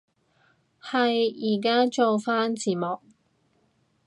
係，依家做返字幕